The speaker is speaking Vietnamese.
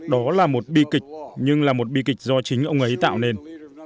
đó là một bi kịch nhưng là một bi kịch do chính ông ấy tạo nên